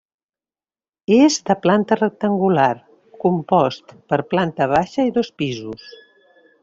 És de planta rectangular, compost per planta baixa i dos pisos.